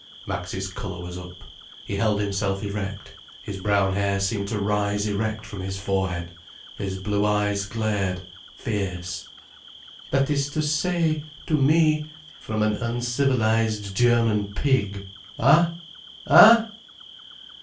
Max's colour was up, he held himself erect, his brown hair seemed to rise erect from his forehead, his blue eyes glared fierce. "That is to say, to me, from an uncivilized German pig, ah? ah?"